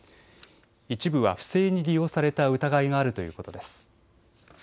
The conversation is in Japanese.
一部は不正に利用された疑いがあるということです。